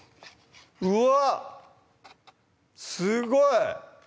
うわっすごい！